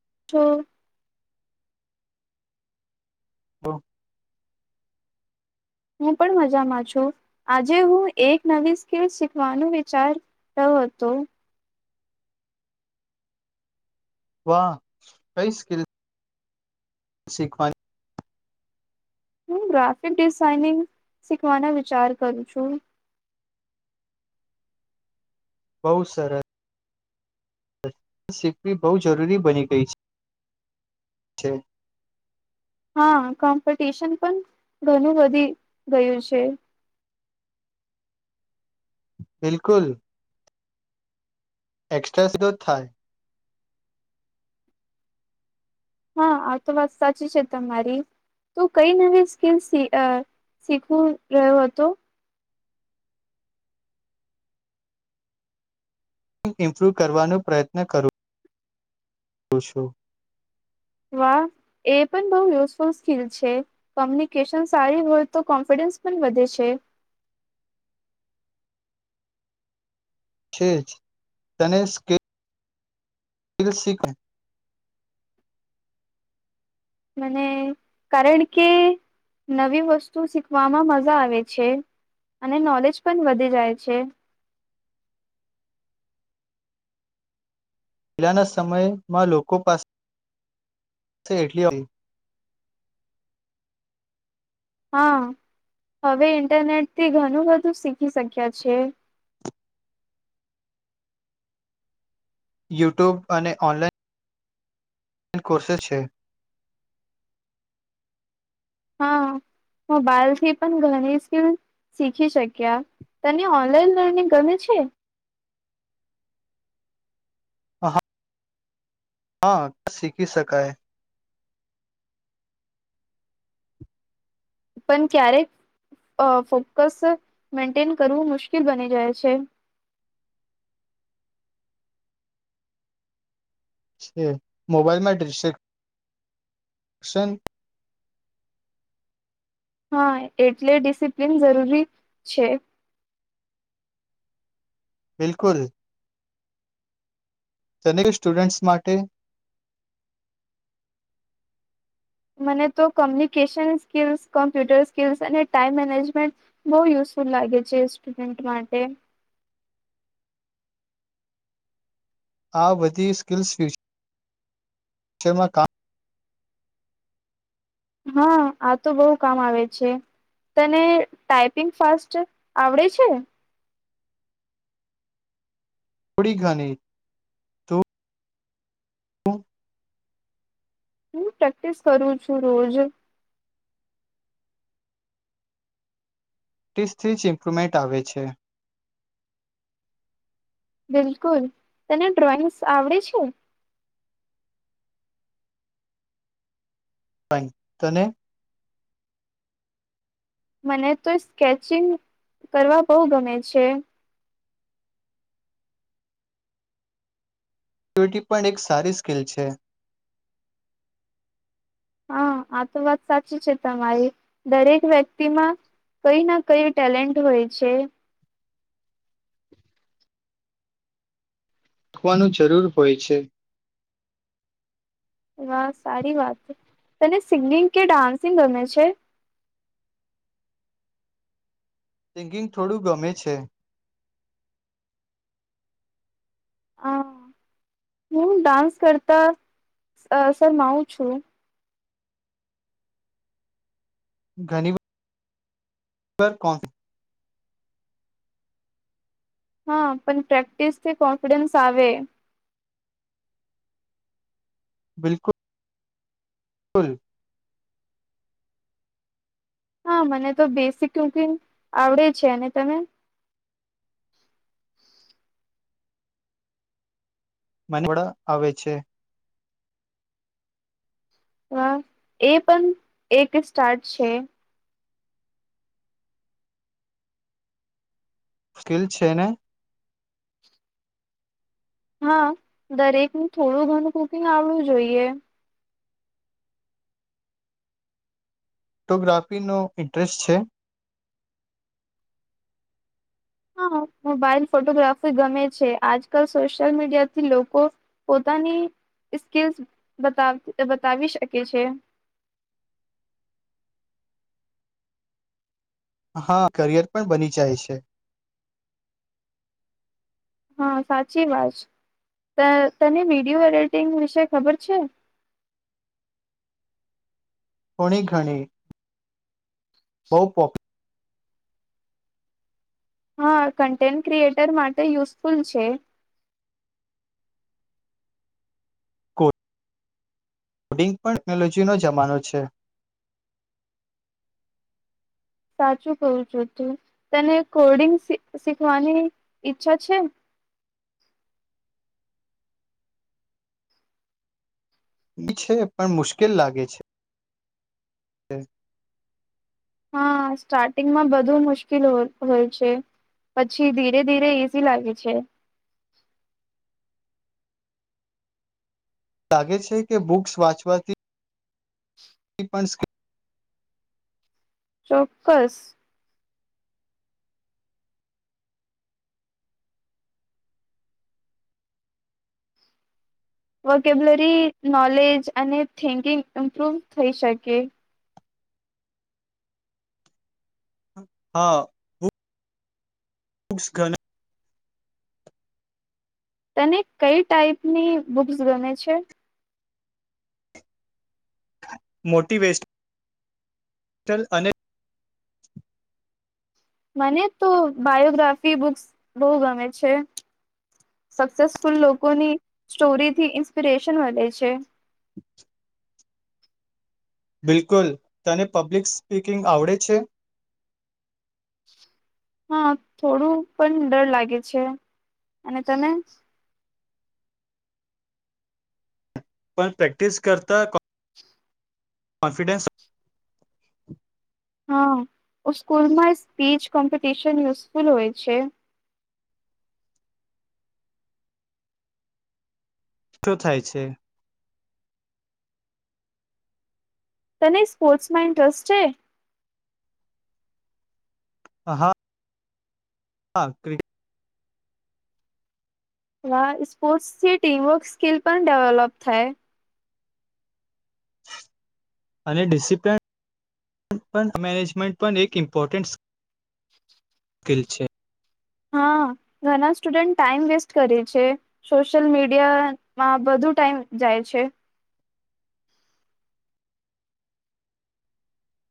[inaudible] હા હું પણ મજામાં છું આજે હું એક નવી સ્કલ શીખવાનું વિચાર રહ્યો હતો વાહ કઈ સ્કેલ શીખવાય હું ગ્રાફિક ડિઝાઇનિંગ શીખવાનો વિચાર કરું છું બહુ સરસ શીખવી બહુ જરૂરી બની ગઈ છે છે હા કોમ્પિટિશન પણ ઘણું વધી ગયું છે બિલકુલ એક્સ્ટ્રેસ ગોથ થાય હા આ તો વાત સાચી છે તમારી તું કઈ નવી સ્કીલ શીખવું રહ્યો હતો હ ઇમ્પ્રૂવ કરવાનો પ્રયત્ન કરુંું છું વાહ એ પણ બહુ યુઝફુલ સ્કિલ છે કોમ્યુનિકેશન સારી હોય તો કોન્ફિડન્સ પણ વધે છે છે જને મને કારણ કે નવી વસ્તુ શીખવામાં મજા આવે છે અને નોલેજ પણ વધી જાય છે પહેલાના સમયમાં લોકો પાસે એટલી હા હવે ઇન્ટરનેટ થી ઘણું બધું શીખી શક્યા છે યુટ્યુબ અને ઓનલાઇન કોર્સેસ છે હા મોબાઈલથી પણ ઘણી સ્કીલ શીખી શક્યા તને ઓનલાઈન લર્નિંગ ગમે છે હ હા ક શીખી શકાય પણ ક્યારેક ફોકસ મેન્ટેન કરવું મુશ્કેલ બની જાય છે છે મોબાઈલમાં ડિશન હા એટલે ડિસિપ્લિન જરૂરી છે બિલકુલ તેને કે સ્ટુડન્ટ્સ માટે મને તો કમ્યુનિકેશન સ્કિલ્સ કોમ્પ્યુટર સ્કિલ્સ અને ટાઈમ મેનેજમેન્ટ બહુ યુઝફુલ લાગે છે સ્ટુડન્ટ માટે આ બધી સ્કિલ્સ ફ્યુચર છેમાં કા હા આ તો બહુ કામ આવે છે તને ટાઈપિંગ ફાસ્ટ આવડે છે થોડી ઘની તોું હું પ્રેક્ટિસ કરું છું રોજ ટીસ્ટથી જ ઇમ્પ્રુવમેન્ટ આવે છે બિલકુલ તને ડ્રોઈંગ્સ આવડે છે તને મને તો સ્કેચિંગ કરવા બહુ ગમે છે એકવિટી પણ એક સારી સ્કિલ છે હા આ તો વાત સાચી છે તમારી દરેક વ્યક્તિમાં કઈ ના કઈ ટેલેન્ટ હોય છે રાખવાનું જરૂર હોય છે એ વા સારી વાત છે તને સિંગિંગ કે ડાન્સિંગ ગમે છે સિંગિંગ થોડું ગમે છે હ હું ડાન્સ કરતા શર માઉું છું ઘણી વા ઉપર કોણ છે? હા પણ પ્રેક્ટિસથી કોન્ફિડન્સ આવે. બિલકુલ બિલકુલ. હા મને તો બેસિકુ ક આવડે છે અને તમે? મનડા આવે છે. હ એ પણ એક સ્ટાર્ટ છે. સ્કીલ છે ને. હા દરેકનું થોડું ઘણું કુકિંગ આવડું જોઈએ. ફોટોગ્રાફીનો ઇન્ટરેસ્ટ છે? હા મોબાાઈલ ફોટોગ્રાફી ગમે છે આજકાલ સોશિ્યલ મીડિયાથી લોકો પોતાની સ્કીિલ્સ બતાવી શકે છે. હા કરિયર પણ બની જાય છે. હા સાચી વાત તેની વિડીિયો એડિટિંગ વિશે ખબર છે? થોડી ઘણી. બહ પો. હા કન્ટેન્ટ ક્રિએટર માટે યુઝફુલ છે. કોડિંગ પણ ટેક્નોલોજીનો જમાનો છે સાચું કું છું તું તને કોડિંગ શીખવાની ઈચ્છા છે? એ છે પણ મુશ્કેલ લાગે છે. હા સ્ટાર્ટિંગમાં બધુ મુશ્કેલ હોય છે પછી ધીરે ધીરે ઈઝી લાગે છે. લાગે છે કે બુક્સ વાંચવાથી એક પસ ચોક્કસ. વોકેબલરી નોલેજ અને થિંકિંગ ઇમ્પ્રુવ થઈ શકે. હા. બુક્સ ગ તને કઈ ટાઈપની બુક્સ ગમે છે? મોટી વેસ્ટ. હટલ અને મને તો બાયોગ્રાફી બુક્સ બહુ ગમે છે સક્સેસફુલ લોકોની સ્ટોરીથી ઇન્સ્પિરેશન મળે છે. બિલકુલ તને પબ્લિક સ્પીકિંગ આવડે છે? હા થોડું પણ ડર લાગે છે અને તને? પણ પ્રેક્ટિસ કરતા. કોન્ફિડેસ હા સ્કૂલમાં સ્પીચ કોમ્પિટિશન યુઝફુલ હોય છે. શો થાય છે. તને સ્પોર્ટ્સમાં ઇન્ટરેસ્ટ છે? હ હા. હા ક્રિકેટ. હ સ્પોર્ટ્સથી ટીમવર્ક સ્કીિલ પણ ડેવલોપ થાય. અને ડિસિપ્લન મેનેજમેન્ટ પણ એક ઇમ્પોર્ટન્ટ [unintelligible] મુશ્કેલ છે. હા ઘણા સ્ટુડન્ટ ટાઈમ વેસ્ટ કરે છે સોશિયલ મીડિયામાં બધું ટાઈમ જાય છે.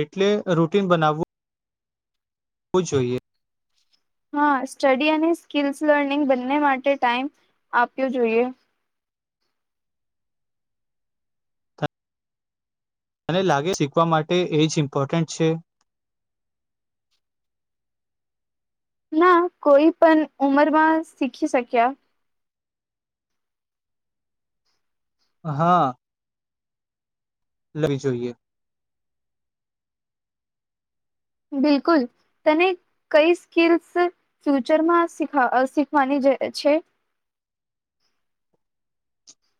એટલે રૂટિન બનાવવું. હો જોઈએ. હા સ્ટડી અને સ્કીલ્સ લર્નિંગ બંને માટે ટાઈમ આપ્યો જોઈએ. મને લાગે શીખવા માટે એ જ ઇમ્પોર્ટન્ટ છે. ના કોઈ પણ ઉંમરમાં શીખી શક્યા. હા લેવી જોઈએ બિલકુલ તને કઈ સ્કીલ્સ ફ્યુચરમાં શીખવાની છે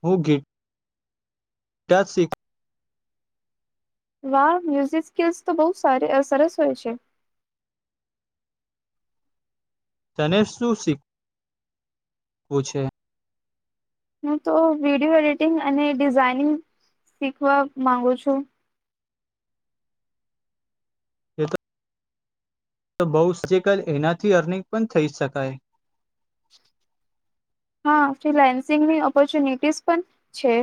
હકે સિક વા મ્યુઝિક સ્કિલ્સ તો બહુ સ સરસ હોય છે તને શું શીખ પૂછે હું તો વિડીિયો એડિટિંગ અને ડિઝઇનિંગ શીખવા માંગુ છું બઉ સજલ એનાથી અર્નિંગ પણ થઈ શકાય હા ફિલાયન્સિંગની ઓપોર્ચ્યુનિટીઝ પણ છે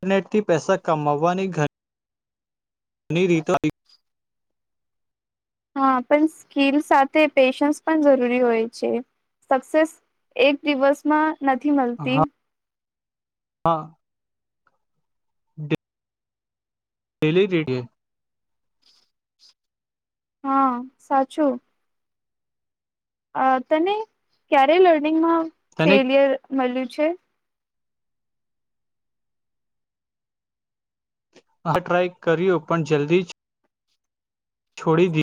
ઇન્ટરનેટથી પૈસા કમાવવાની ઘર ઘની રીતા હા પણ સ્કીલ સાથે પેશન્સ પણ જરૂરી હોય છે સક્સેસ એક દિવસમાં નથી મળતી હા ડેલી રીડયો હા સાચું અ તને ક્યારે લર્નિંગમાં તને ફેલિયર મળ્યું છે હા ટ્રાય કર્યો પણ જલ્દી જ છોડી દી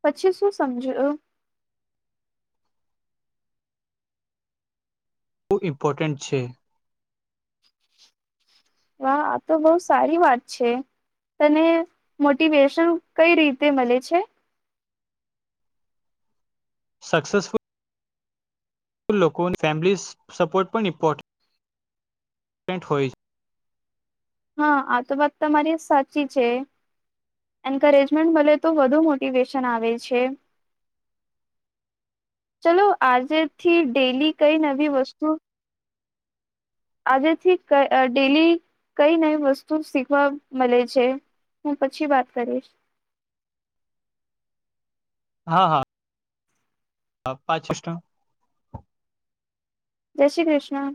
પછી શું સમજ બહુ ઇમ્પોર્ટન્ટ છે વાહ આ તો બહ સારી વાત છે તને મોટિવેશન કઈ રીતે મળે છે સક્સેસફુલ લોકો ફેમિલી સપોર્ટ પણ ઇમ્પોર્ટન્ટ ન્ટ હોય છે હા આ તો વાત તમારી સાચી છે એન્કરેજમેન્ટ મળલે તો વધુ મોટિવેશન આવે છે ચલો આજેથી ડેલી કઈ નવી વસ્તુ આજેથી ડેલી કઈ નઈ વસ્તુ શીખવા મળે છે હું પછી વાત કરીશ હા હા હ પાચીસ ટકા જય શ્રી કૃષ્ણ